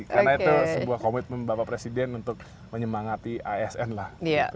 karena itu sebuah komitmen bapak presiden untuk menyemangati asn lah